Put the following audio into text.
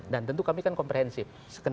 dan tentu kami kan komprehensif